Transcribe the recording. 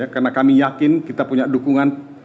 karena kami yakin kita punya dukungan